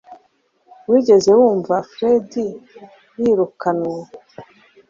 Wigeze wumva ko Fred yirukanwe